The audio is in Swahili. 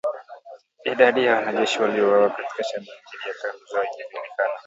Idadi ya wanajeshi waliouawa katika shambulizi dhidi ya kambi zao haijajulikana